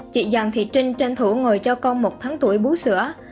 chị giàng thị trinh tranh thủ ngồi cho con một tháng tuổi búa sữa